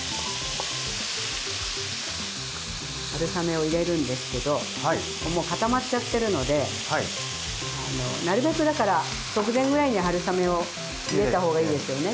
春雨を入れるんですけどもう固まっちゃってるのでなるべくだから直前ぐらいに春雨をゆでたほうがいいですよね。